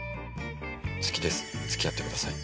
好きです付き合ってください。